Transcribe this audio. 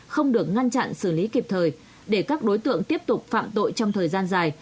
không được ngăn chặn xử lý kịp thời để các đối tượng tiếp tục phạm tội trong thời gian dài